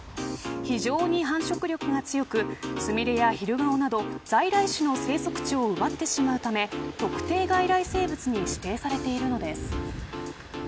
非常に繁殖力が強くスミレやヒルガオなど、在来種の生息地を奪ってしまうため特定外来生物に指定されているのです。